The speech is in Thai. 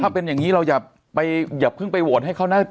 ถ้าเป็นอย่างนี้เราอย่าเพิ่งไปโหวตให้เขานะ